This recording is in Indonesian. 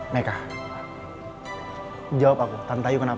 nekah jawab aku tante ayu kenapa